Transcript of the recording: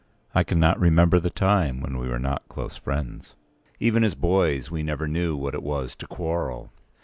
I cannot remember the time when we were not close friends. Even as boys, we never knew what it was to quarrel.